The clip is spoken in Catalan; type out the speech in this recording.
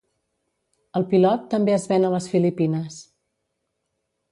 El Pilot també es ven a les Filipines.